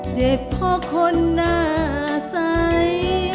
เจ็บเพราะคนหน้าใส